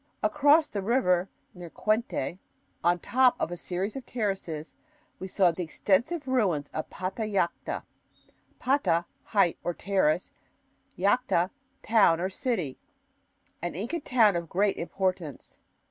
Across the river, near Qquente, on top of a series of terraces, we saw the extensive ruins of Patallacta (pata = height or terrace; llacta = town or city), an Inca town of great importance.